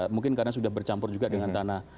mungkin karena sudah bercampur juga dengan tanah